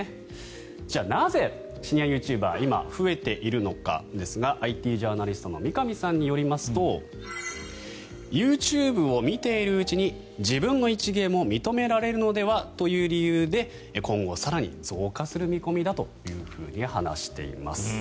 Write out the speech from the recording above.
じゃあなぜシニアユーチューバー今、増えているのかですがＩＴジャーナリストの三上さんによりますとＹｏｕＴｕｂｅを見ているうちに自分の一芸も認められるのではという理由で今後更に増加する見込みだと話しています。